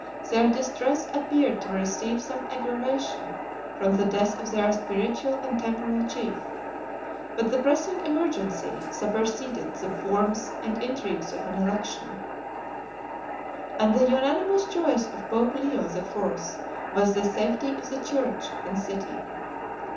86 Their distress appeared to receive some aggravation from the death of their spiritual and temporal chief; but the pressing emergency superseded the forms and intrigues of an election; and the unanimous choice of Pope Leo the Fourth 87 was the safety of the church and city.